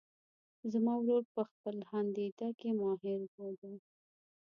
زما ورور په خپلهدنده کې ماهر ده